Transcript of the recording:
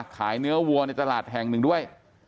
เนื้อวัวในตลาดแห่งหนึ่งด้วย